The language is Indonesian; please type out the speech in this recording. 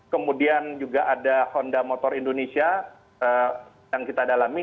kemudian juga ada honda motor indonesia yang kita dalami